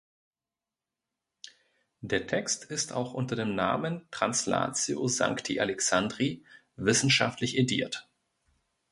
Der Text ist auch unter dem Namen "Translatio Sancti Alexandri" wissenschaftlich ediert.